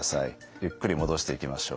ゆっくり戻していきましょう。